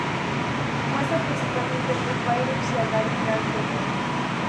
Muestra principalmente a Foo Fighters y a Gary Clark Jr.